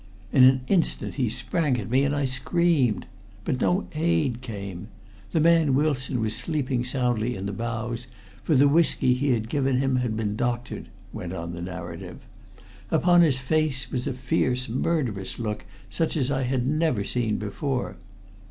"In an instant he sprang at me, and I screamed. But no aid came. The man Wilson was sleeping soundly in the bows, for the whisky he had given him had been doctored," went on the narrative. "Upon his face was a fierce, murderous look such as I had never seen before.